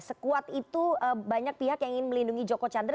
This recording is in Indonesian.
sekuat itu banyak pihak yang ingin melindungi joko chandra